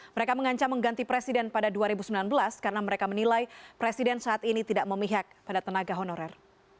mereka mengancam mengganti presiden pada dua ribu sembilan belas karena mereka menilai presiden saat ini tidak memihak pada tenaga honorer